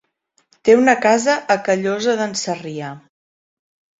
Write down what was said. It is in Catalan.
Té una casa a Callosa d'en Sarrià.